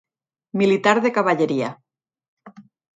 Militar de cavalleria.